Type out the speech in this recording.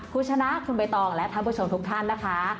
คุณชนะคุณใบตองและท่านผู้ชมทุกท่านนะคะ